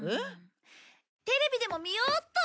テレビでも見ようっと！